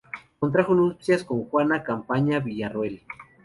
Contrajo nupcias con Juana Campaña Villarroel.